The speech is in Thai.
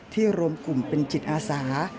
รวมกลุ่มเป็นจิตอาสา